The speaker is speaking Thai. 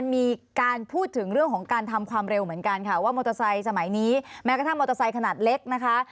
แม้กระทั่งมอเตอร์ไซค์ขนาดเล็กนะคะ